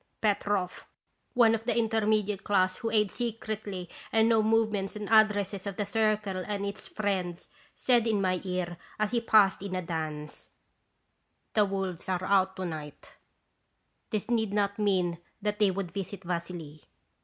" Petroff, one of the intermediate class who aid secretly and know movements and ad dresses of the Circle and its friends, said in my ear, as he passed in a dance : Qt radons bisitatiou. 193 " 'The wolves are out to night/ " This need not mean that they would visit Vassily.